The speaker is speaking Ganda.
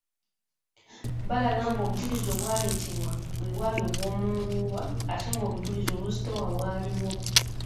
Balaga ng'obujulizi obwaleetebwa bwe bwali obwomunguuba ate ng'obujulizi obuzitowa bwaliwo.